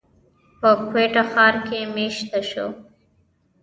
پۀ کوئټه ښار کښې ميشته شو،